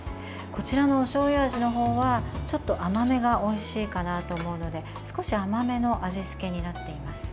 こちらのおしょうゆ味の方はちょっと甘めがおいしいかなと思うので少し甘めの味付けになっています。